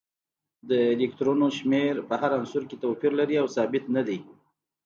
د الکترونونو شمیر په هر عنصر کې توپیر لري او ثابت نه دی